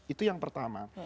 itu yang pertama